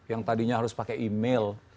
yang tadinya harus pakai email